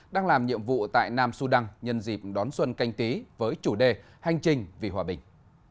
đang làm nhiệm vụ tại nam sudan nhân dịp đón xuân canh tí với chủ đề hành trình vì hòa bình